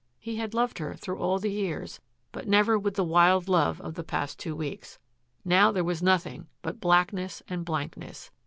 He had loved her through all the years, but never with the wild love of the past two weeks. Now there was nothing but blackness and blankness.